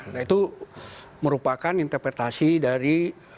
nah itu merupakan interpretasi dari